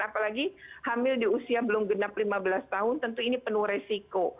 apalagi hamil di usia belum genap lima belas tahun tentu ini penuh resiko